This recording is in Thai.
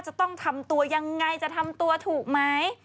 จะต้องทำตัวยังไงจะทำตัวถูกไหม